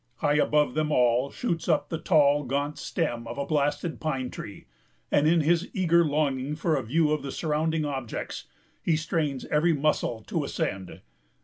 High above them all shoots up the tall, gaunt stem of a blasted pine tree; and, in his eager longing for a view of the surrounding objects, he strains every muscle to ascend.